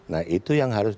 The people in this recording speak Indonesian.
nah itu yang harus